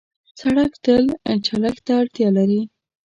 سړک تل چلښت ته اړتیا لري.